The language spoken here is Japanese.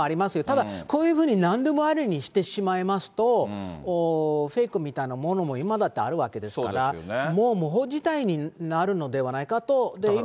ただこういうふうになんでもありにしてしまいますと、フェイクみたいなものも、今だってあるわけですから、もう無法地帯になるのではないかと。